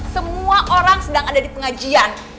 semua orang sedang ada di pengajian